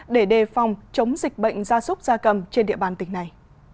để đề phòng chống dịch bệnh gia súc gia cầm trên địa bàn tỉnh này